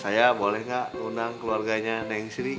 saya boleh nggak undang keluarganya neng sri